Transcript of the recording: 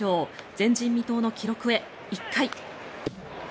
前人未到の記録へ、１回。